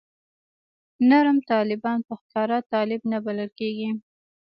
نرم طالبان په ښکاره طالب نه بلل کېږي.